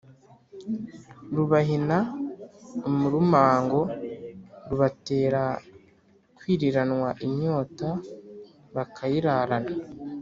rubahina umurumango: rubatera kwiriranwa inyota bakayirarana